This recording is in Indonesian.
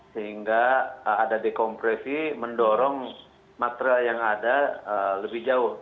sehingga ada dekompresi mendorong material yang ada lebih jauh